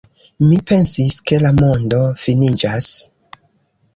Mi pensis, ke la mondo finiĝas.